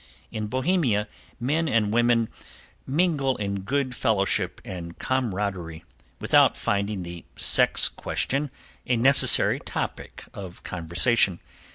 In Bohemia men and women mingle in good fellowship and camaraderie without finding the sex question a necessary topic of conversation.